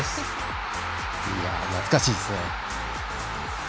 懐かしいですね。